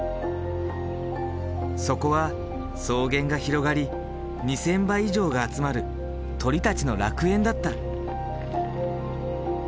そこは草原が広がり２，０００羽以上が集まる鳥たちの楽園だった。